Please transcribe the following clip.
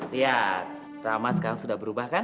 lihat drama sekarang sudah berubah kan